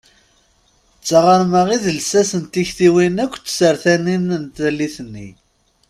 D taɣerma i d llsas n tiktiwin akk tsertanin n tallit-nni.